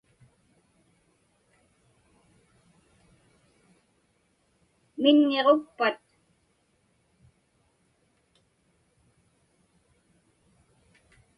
Miñŋiġukpat?